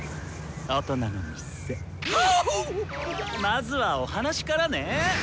まずはお話からネ！